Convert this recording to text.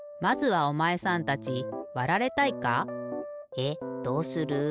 えっどうする？